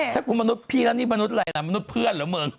ถ้าคุณมนุษย์พี่แล้วนี่มนุษย์อะไรล่ะมนุษย์เพื่อนหรือมึง